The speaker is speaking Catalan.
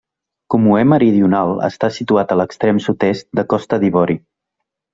Comoé Meridional està situat a l'extrem sud-est de Costa d'Ivori.